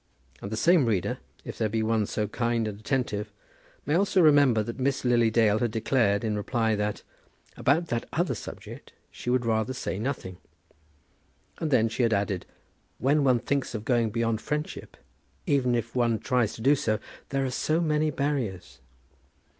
And the same reader, if there be one so kind and attentive, may also remember that Miss Lily Dale had declared, in reply, that "about that other subject she would rather say nothing," and then she had added, "When one thinks of going beyond friendship, even if one tries to do so, there are so many barriers!"